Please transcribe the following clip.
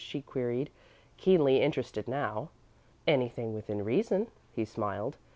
she queried, keenly interested now. "Anything within reason," he smiled.